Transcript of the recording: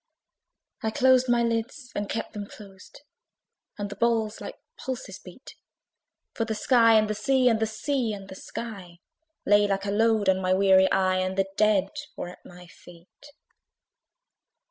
I closed my lids, and kept them close, And the balls like pulses beat; For the sky and the sea, and the sea and the sky Lay like a load on my weary eye, And the dead were at my feet.